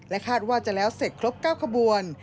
คาดว่าจะแล้วเสร็จครบ๙ขบวน